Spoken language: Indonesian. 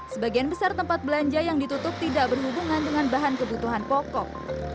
sebagian besar tempat belanja yang ditutup tidak berhubungan dengan bahan kebutuhan pokok